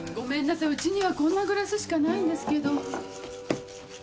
うちにはこんなグラスしかないんですけど。